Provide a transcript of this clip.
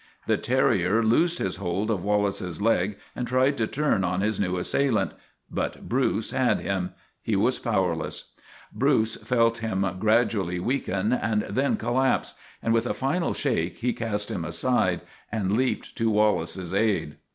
The terrier loosed his hold of Wallace's leg and tried to turn on his new assailant. But Bruce had him; he was powerless. Bruce felt him gradually weaken and then collapse, and with a final shake he cast him aside and leaped to Wallace's aid.